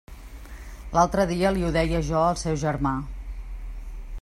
L'altre dia li ho deia jo al seu germà.